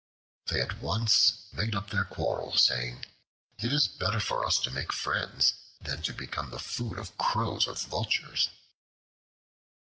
They at once made up their quarrel, saying, "It is better for us to make friends, than to become the food of Crows or Vultures."